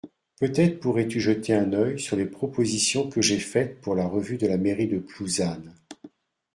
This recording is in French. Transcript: Peut-être pourrais-tu jeter un œil sur les propositions que j’ai faite pour la revue de la mairie de Plouzane.